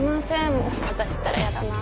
もう私ったらやだなぁ。